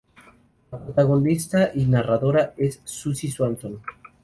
La protagonista y narradora es Suzy Swanson.